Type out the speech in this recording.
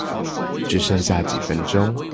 只剩下幾分鐘